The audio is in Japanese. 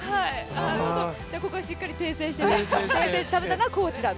ここはしっかり訂正して、食べたのはコーチだと。